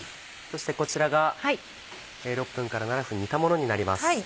そしてこちらが６分から７分煮たものになります。